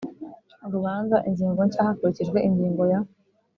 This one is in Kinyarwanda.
Urubanza ingingo nshya hakurikijwe ingingo ya